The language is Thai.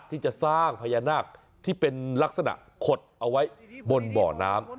ที่จะสร้างพญานาคที่เป็นลักษณะขดเอาไว้บนบ่อน้ำ